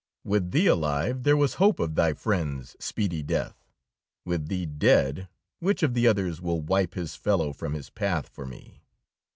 With thee alive, there was hope of thy friends' speedy death. With thee dead, which of the others will wipe his fellow from his path for me?